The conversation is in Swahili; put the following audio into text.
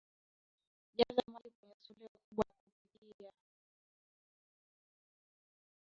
jaza maji kwenye sufuria kubwa ya kupikia